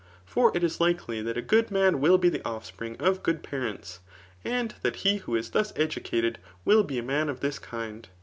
For it is likely th^t a good man will be the offspring of good parents, and that he who is thus educated will be a man of this kind.